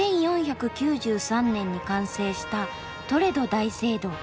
「１４９３年に完成したトレド大聖堂。